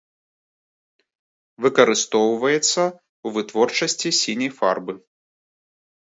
Выкарыстоўваецца ў вытворчасці сіняй фарбы.